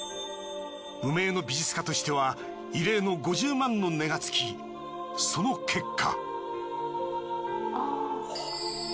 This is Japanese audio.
無名の美術家としては異例の５０万の値がつきその結果。